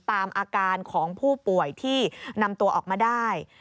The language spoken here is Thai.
ตามอาการของผู้ป่วยที่นำตัวออกมาได้